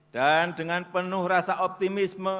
dan dengan penuh rasa optimisme